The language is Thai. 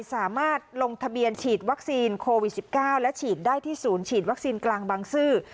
สามารถลงทะเบียนฉีดวัคซีนโควิด๑๙และฉีดได้ที่ศูนย์ฉีดวัคซีนกลางบางซื่อ